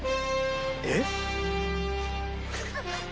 えっ？